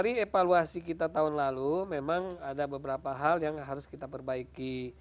dari evaluasi kita tahun lalu memang ada beberapa hal yang harus kita perbaiki